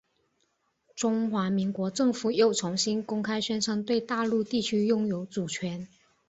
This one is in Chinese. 中华民国政府又重新公开宣称对大陆地区拥有主权。